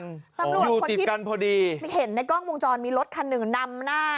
ตำรวจคนพิการพอดีเห็นในกล้องวงจรมีรถคันหนึ่งนำหน้า